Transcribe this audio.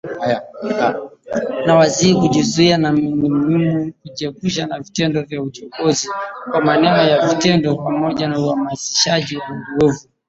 “Ninawasihi kujizuia na ni muhimu kujiepusha na vitendo vya uchokozi, kwa maneno na vitendo, pamoja na uhamasishaji wa nguvu”